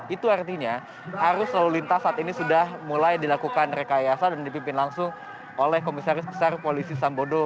itu artinya arus lalu lintas saat ini sudah mulai dilakukan rekayasa dan dipimpin langsung oleh komisaris besar polisi sambodo